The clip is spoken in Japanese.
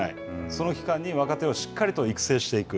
その期間に若手をしっかりと育成していく。